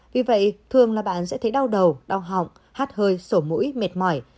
vì vậy thường là bạn sẽ thấy đau đầu đau họng hát hơi sổ mũi mệt mỏi